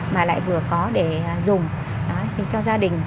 mà lại vừa có để dùng cho gia đình